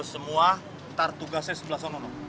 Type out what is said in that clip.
lo semua ntar tugasnya sebelah sana noh